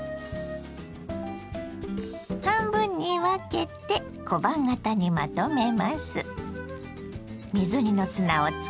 半分に分けて小判形にまとめます。